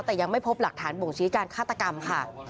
แต่ยังไม่พบหลักฐานบ่งชี้การฆาตกรรมค่ะ